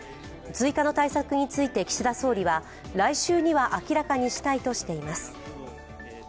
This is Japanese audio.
追加の対策について岸田総理は来週には明らかにしたいとしています。